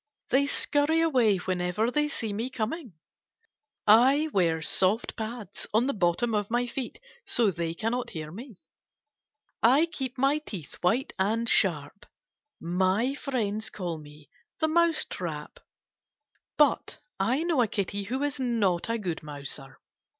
They scurry away whenever they see me coming. I wear soft pads on the bottom of my feet so they cannot hear me. I keep my teeth white and sharp. My friends call me * the Mouse Trap.' But I know a Kitty who is not a good mouser.